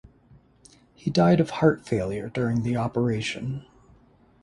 He died of heart failure during the operation.